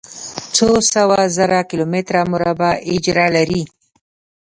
څو سوه زره کلومتره مربع اېجره لري.